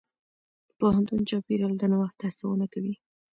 د پوهنتون چاپېریال د نوښت هڅونه کوي.